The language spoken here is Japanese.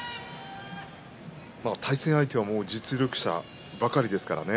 対戦相手は実力者ばかりですからね